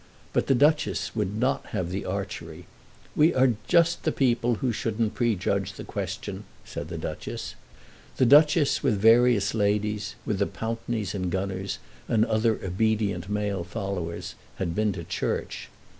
But the Duchess would not have the archery. "We are just the people who shouldn't prejudge the question," said the Duchess. The Duchess with various ladies, with the Pountneys and Gunners, and other obedient male followers, had been to church.